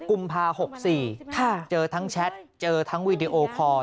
กุมภา๖๔เจอทั้งแชทเจอทั้งวีดีโอคอร์